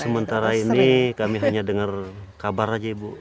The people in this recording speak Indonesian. sementara ini kami hanya dengar kabar aja ibu